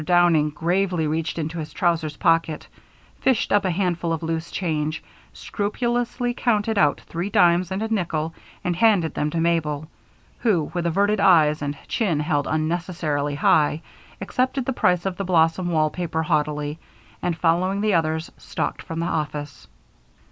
Downing gravely reached into his trousers pocket, fished up a handful of loose change, scrupulously counted out three dimes and a nickel, and handed them to Mabel, who, with averted eyes and chin held unnecessarily high, accepted the price of the Blossom wall paper haughtily, and, following the others, stalked from the office.